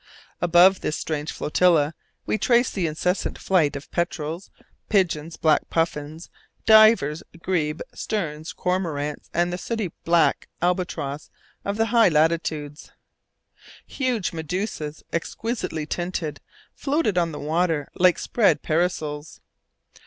Above this strange flotilla we traced the incessant flight of petrels, pigeons, black puffins, divers, grebe, sterns, cormorants, and the sooty black albatross of the high latitudes. Huge medusæ, exquisitely tinted, floated on the water like spread parasols.